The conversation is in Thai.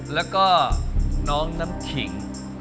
แล้วก็น้องน้ำขิง